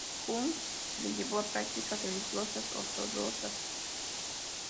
Jung, que le llevó a prácticas religiosas ortodoxas.